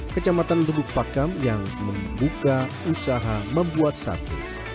kecamatan lutupakam yang membuka usaha membuat sate